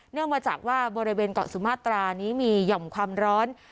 มาจากว่าบริเวณเกาะสุมาตรานี้มีหย่อมความร้อน